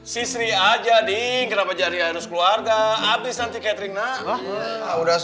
si sri aja ding kenapa jadi airus keluarga abis nanti catering nak